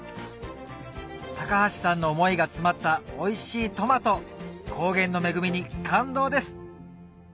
高橋さんの思いが詰まったおいしいトマト高原の恵みに感動です